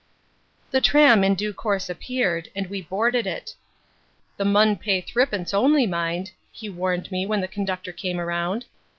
The tram in due course appeared, and we boarded it. "Tha mun pay thrippence only, mind," he warned me when the conductor came round.